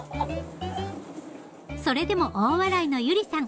それでも大笑いの優里さん。